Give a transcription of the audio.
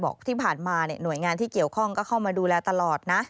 ที่ผ่านมาหน่วยงานที่เกี่ยวข้องก็เข้ามาดูแลตลอดนะ